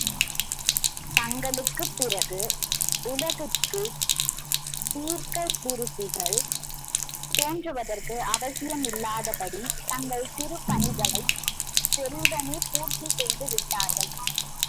தங்களுக்குப் பிறகு, உலகுக்குத் தீர்க்கதிரிசிகள் தோன்றுவதற்கு அவசியம் இல்லாதபடி, தங்கள் திருப்பணிகளைச் செல்வனே பூர்த்தி செய்து விட்டார்கள்.